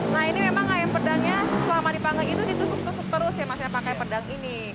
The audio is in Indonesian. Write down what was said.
nah ini memang ayam pedangnya selama dipanggang itu ditusuk tusuk terus ya mas ya pakai pedang ini